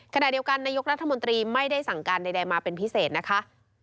ขณะเดียวกันนายกรัฐมนตรีไม่ได้สั่งการใดมาเป็นพิเศษนะคะ